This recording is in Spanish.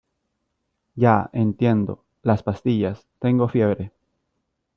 ya , entiendo . las pastillas , tengo fiebre ...